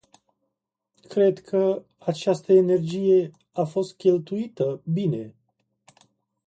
Cred că această energie a fost cheltuită bine.